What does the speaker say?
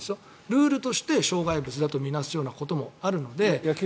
ルールとして障害物だと見なすようなこともあるので。